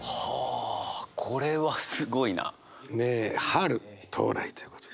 春到来ということで。